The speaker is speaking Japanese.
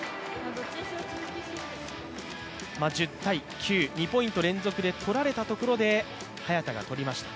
１０−９、２ポイント連続で取られたところで早田がとられました。